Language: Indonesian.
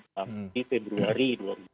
nanti februari dua ribu dua puluh empat